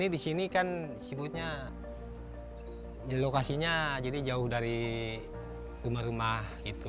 disini kan lokasinya jadi jauh dari rumah rumah